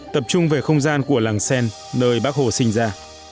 tập trung về không gian của làng sen nơi bác hồ sinh ra